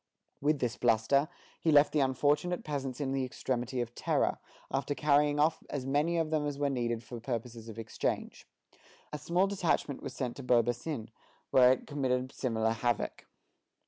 With this bluster, he left the unfortunate peasants in the extremity of terror, after carrying off as many of them as were needed for purposes of exchange. A small detachment was sent to Beaubassin, where it committed similar havoc.